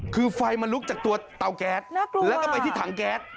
คือไฟมันลุกจากตัวเตาแก๊สแล้วก็ไปที่ถังแก๊ส